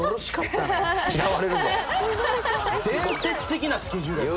伝説的なスケジュールやった。